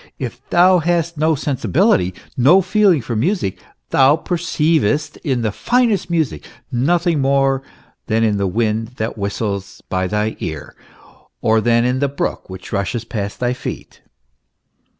If thou hast no sensibility, no feeling for music, thou perceivest in the finest music nothing more than in the wind that whistles by thy ear, or than in the brook which rushes past thy feet.